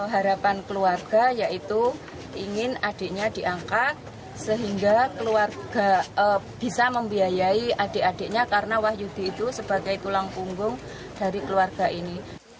harapan keluarga yaitu ingin adiknya diangkat sehingga keluarga bisa membiayai adik adiknya karena wahyudi itu sebagai tulang punggung dari keluarga ini